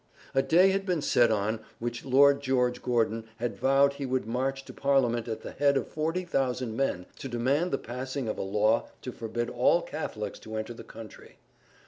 A day had been set on which Lord George Gordon had vowed he would march to Parliament at the head of forty thousand men to demand the passing of a law to forbid all Catholics to enter the country.